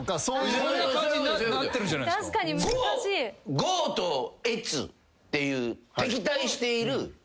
呉と越っていう敵対している